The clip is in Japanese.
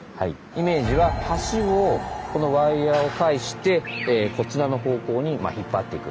イメージは橋をこのワイヤーを介してこちらの方向に引っ張っていく。